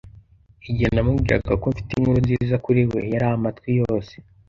Igihe namubwiraga ko mfite inkuru nziza kuri we, yari amatwi yose.